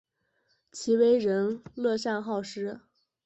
其为人乐善好施。